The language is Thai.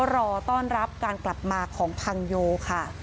รอต้อนรับการกลับมาของพังโยค่ะ